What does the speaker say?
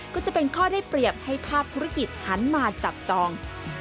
ก็จะเป็นข้อได้เปรียบให้ภาพธุรกิจหันมาจับจอง